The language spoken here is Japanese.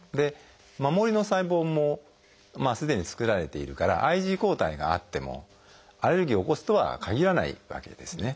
守りの細胞もすでに作られているからＩｇＥ抗体があってもアレルギーを起こすとはかぎらないわけですね。